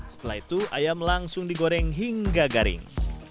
setelah itu ayam langsung digoreng hingga garing